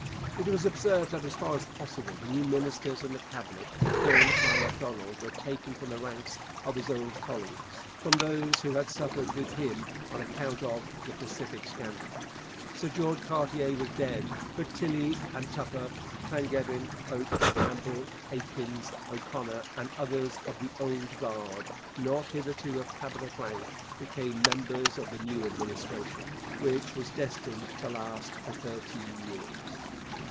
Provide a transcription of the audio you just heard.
It was observed that as far as possible the new ministers in the Cabinet formed by Macdonald were taken from the ranks of his old colleagues, from those who had suffered with him on account of the 'Pacific Scandal.' Sir George Cartier was dead, but Tilley and Tupper, Langevin, Pope, Campbell, Aikins, O'Connor, and others of the 'Old Guard' not hitherto of Cabinet rank, became members of the new Administration, which was destined to last for thirteen years.